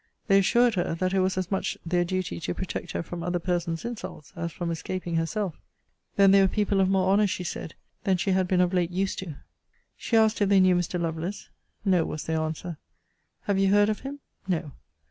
They assured her, that it was as much their duty to protect her from other persons' insults, as from escaping herself. Then they were people of more honour, she said, than she had been of late used to. She asked if they knew Mr. Lovelace? No, was their answer. Have you heard of him? No.